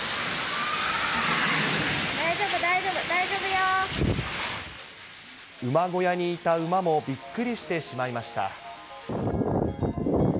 大丈夫、大丈夫、大丈夫、馬小屋にいた馬もびっくりしてしまいました。